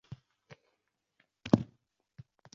Shundan beri dorilarni ichayotganim yo’q.